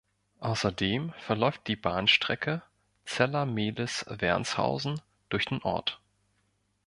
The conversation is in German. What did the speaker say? Außerdem verläuft die Bahnstrecke Zella-Mehlis–Wernshausen durch den Ort.